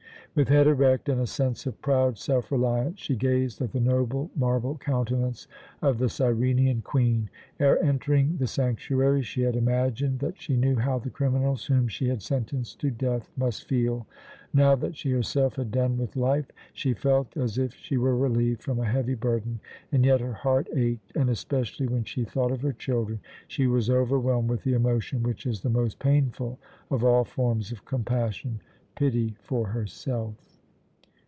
With head erect and a sense of proud self reliance she gazed at the noble marble countenance of the Cyrenian queen. Ere entering the sanctuary she had imagined that she knew how the criminals whom she had sentenced to death must feel. Now that she herself had done with life, she felt as if she were relieved from a heavy burden, and yet her heart ached, and especially when she thought of her children she was overwhelmed with the emotion which is the most painful of all forms of compassion pity for herself.